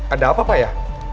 ada apa pak ya